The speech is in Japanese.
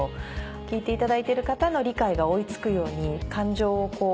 聴いていただいてる方の理解が追いつくように感情を。